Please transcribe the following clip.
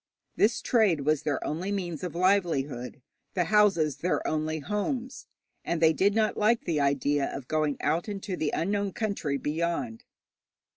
This trade was their only means of livelihood, the houses their only homes, and they did not like the idea of going out into the unknown country behind.